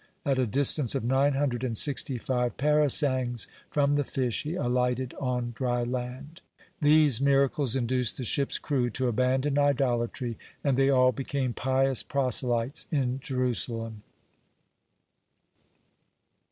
At a distance of nine hundred and sixty five parasangs from the fish he alighted on dry land. These miracles induced the ship's crew to abandon idolatry, and they all became pious proselytes in Jerusalem.